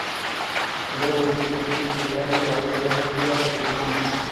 இட ஒதுக்கீட்டில் வேலை வாய்ப்புக்கள் விரிவாக்கப்படுமா?